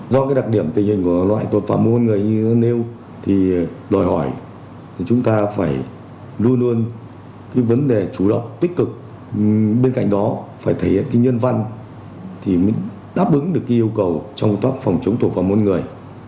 do cái đặc điểm tình hình của loại tội phạm mua bán người như nêu thì đòi hỏi chúng ta phải luôn luôn cái vấn đề chủ động tích cực bên cạnh đó phải thể hiện cái nhân văn thì mới đáp ứng được cái yêu cầu trong công tác phòng chống tội phạm mua bán người